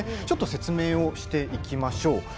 ちょっと説明をしていきましょう。